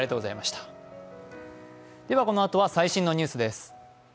このあとは最新のニュースです。